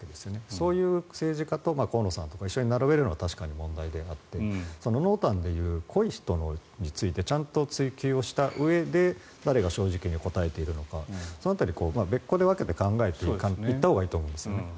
そういう政治家と河野さんを一緒に並べるのは確かに問題であって濃淡でいう濃い人についてちゃんと追及したうえで誰が正直に答えているのかその辺りを別個で分けて考えていったほうがいいと思います。